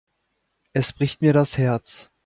Es bricht mir das Herz.